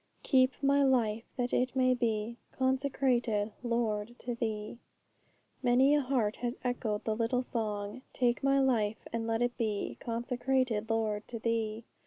'Keep my life, that it may be Consecrated, Lord, to Thee.' Many a heart has echoed the little song: 'Take my life, and let it be Consecrated, Lord, to Thee!'